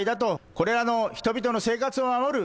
これらの人々の生活を守る。